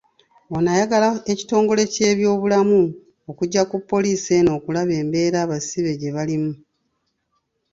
Ono ayagala ekitongole ky'ebyobulamu okujja ku poliisi eno okulaba embeera abasibe gye balimu.